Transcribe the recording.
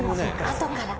「あとから」